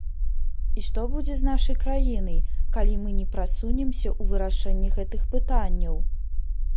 І што будзе з нашай краінай, калі мы не прасунемся ў вырашэнні гэтых пытанняў?